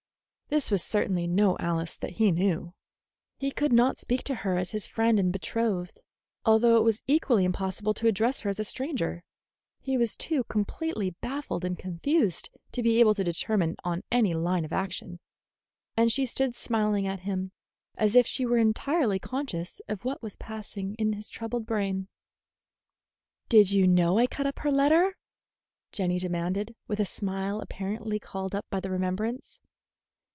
This was certainly no Alice that he knew. He could not speak to her as his friend and betrothed, although it was equally impossible to address her as a stranger. He was too completely baffled and confused to be able to determine on any line of action, and she stood smiling at him as if she were entirely conscious of what was passing in his troubled brain. "Did you know I cut up her letter?" Jenny demanded, with a smile apparently called up by the remembrance.